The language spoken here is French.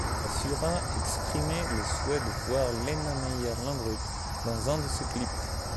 Safura exprimé le souhait de voir Lena Meyer-Landrut dans un de ses clips.